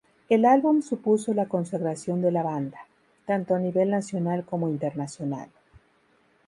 El álbum supuso la consagración de la banda, tanto a nivel nacional como internacional.